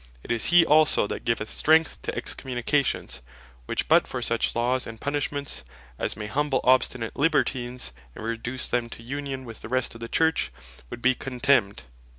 It is he also that giveth strength to Excommunications; which but for such Laws and Punishments, as may humble obstinate Libertines, and reduce them to union with the rest of the Church, would bee contemned.